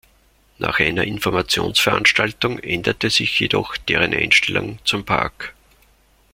Nach einer Informationsveranstaltung änderte sich jedoch deren Einstellung zum Park.